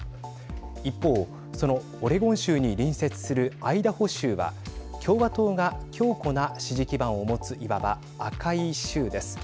一方、そのオレゴン州に隣接するアイダホ州は共和党が強固な支持基盤を持ついわば赤い州です。